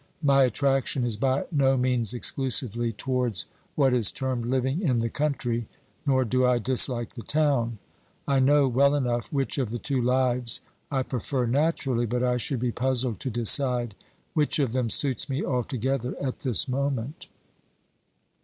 My attraction is by no means exclusively towards what is termed living in the country, nor do I dislike the town. I know well enough which of the two lives I prefer naturally, but I should be puzzled to decide which of them suits me altogether at this moment.